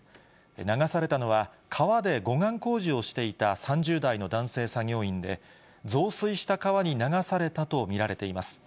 流されたのは、川で護岸工事をしていた３０代の男性作業員で、増水した川に流されたと見られています。